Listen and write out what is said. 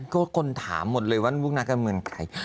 ก็คนถามหมดเลยว่าลูกนักการเมืองใคร